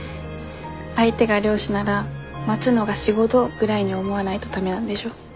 相手が漁師なら待つのが仕事ぐらいに思わないと駄目なんでしょ？